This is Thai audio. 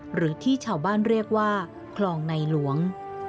หรือที่ชาวบ้านเรียกว่าคลองในหลวง